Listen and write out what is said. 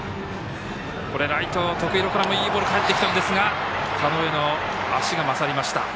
これ、ライト、徳弘からもいいボールが返ってきたんですが田上の足が勝りました。